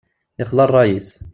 Ixla ṛṛay-is.